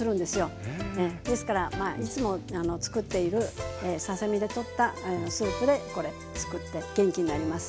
ですからまあいつもつくっているささ身でとったスープでこれつくって元気になります。